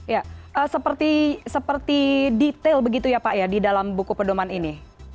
ya seperti detail begitu ya pak ya di dalam buku pedoman ini